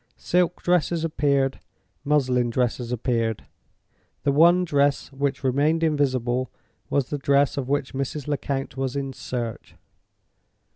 Silk dresses appeared, muslin dresses appeared. The one dress which remained invisible was the dress of which Mrs. Lecount was in search.